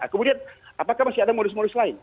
kemudian apakah masih ada modus modus lain